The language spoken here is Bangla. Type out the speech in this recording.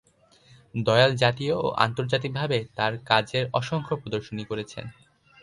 দয়াল জাতীয় ও আন্তর্জাতিকভাবে তাঁর কাজের অসংখ্য প্রদর্শনী করেছেন।